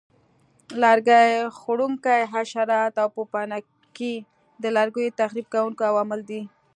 لرګي خوړونکي حشرات او پوپنکي د لرګیو تخریب کوونکي عوامل دي.